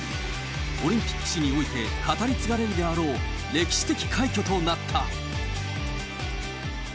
オリンピック史において語り継がれるであろう、歴史的快挙となった。